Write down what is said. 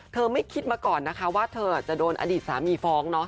ไม่คิดมาก่อนนะคะว่าเธอจะโดนอดีตสามีฟ้อง